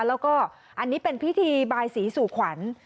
แล้วก็อันนี้เป็นพิธีบายสีสู่ขวัญ